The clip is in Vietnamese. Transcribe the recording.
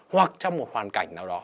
hoặc trong một hoàn cảnh nào đó